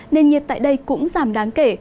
nền nhiệt tại đây cũng giảm đáng kể